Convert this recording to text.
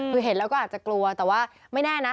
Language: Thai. คือเห็นแล้วก็อาจจะกลัวแต่ว่าไม่แน่นะ